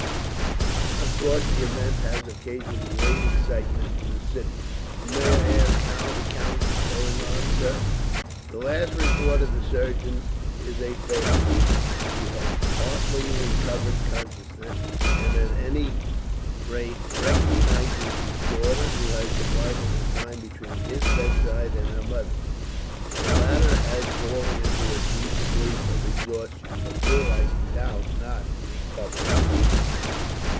Of course, the event has occasioned great excitement in the city." "And may I ask how the count is going on, sir?" "The last report of the surgeons is a favourable one. He has partly recovered consciousness, and at any rate recognizes his daughter, who has divided her time between his bedside and her mother's. The latter has fallen into a deep sleep of exhaustion; but will, I doubt not, recover.